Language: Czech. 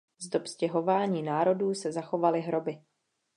Z dob stěhování národů se zachovaly hroby.